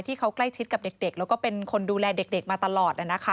ที่เขาใกล้ชิดกับเด็กแล้วก็เป็นคนดูแลเด็กมาตลอด